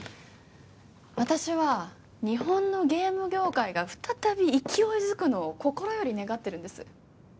私は日本のゲーム業界が再び勢いづくのを心より願ってるんです